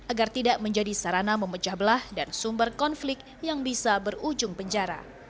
agar tidak menjadi sarana memecah belah dan sumber konflik yang bisa berujung penjara